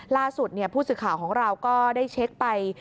ล่าสุดผู้สื่อข่าวของเราก็ได้เช็คไป